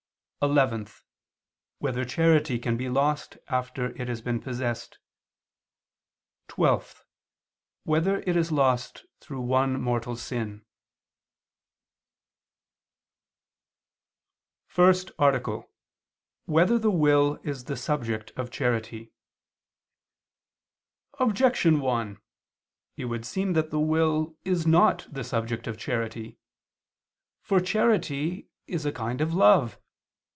(11) Whether charity can be lost after it has been possessed? (12) Whether it is lost through one mortal sin? _______________________ FIRST ARTICLE [II II, Q. 24, Art. 1] Whether the Will Is the Subject of Charity? Objection 1: It would seem that the will is not the subject of charity. For charity is a kind of love.